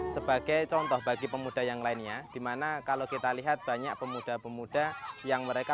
sebagai contoh bagi pemuda yang lainnya dimana kalau kita lihat banyak pemuda pemuda yang mereka